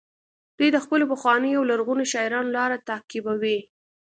دوی د خپلو پخوانیو او لرغونو شاعرانو لاره تعقیبوي